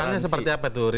fah mammeratu ilfait gunomi